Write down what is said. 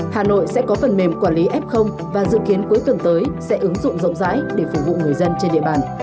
hà nội sẽ có phần mềm quản lý f và dự kiến cuối tuần tới sẽ ứng dụng rộng rãi để phục vụ người dân trên địa bàn